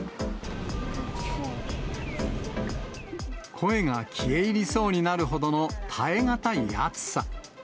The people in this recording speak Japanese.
声が消え入りそうになるほどの耐え難い暑さ。